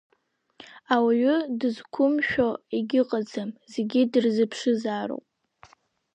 Ауаҩы дызқәымшәо егьыҟаӡам, зегьы дырзыԥшызароуп…